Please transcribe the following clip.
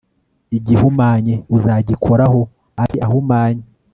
igihumanye uzagikoraho abe ahumanye